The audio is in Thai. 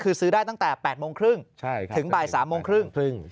คือซื้อได้ตั้งแต่๘โมงครึ่งถึงบ่าย๓โมงครึ่ง